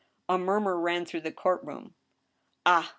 A murmur ran through the court room. Ah